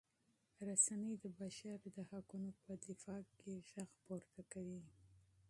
رسنۍ د بشر د حقونو په دفاع کې غږ پورته کوي.